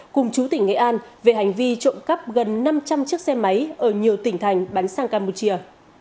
cùng chú tỉnh nghệ an về hành vi trộm cắp gần năm trăm linh chiếc xe máy ở nhiều tỉnh thành bán sang campuchia